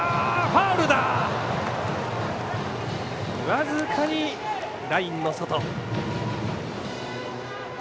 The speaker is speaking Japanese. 僅かにラインの外。